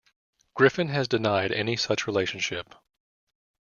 Griffin has denied any such relationship.